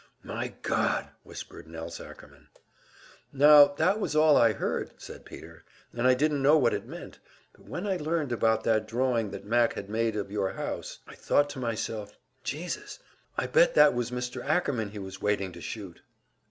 "My God!" whispered Nelse Ackerman. "Now, that was all I heard," said Peter. "And I didn't know what it meant. But when I learned about that drawing that Mac had made of your house, I thought to myself, Jesus, I bet that was Mr. Ackerman he was waiting to shoot!"